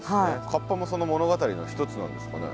カッパもその物語の一つなんですかね？